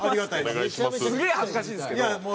すげえ恥ずかしいんですけど。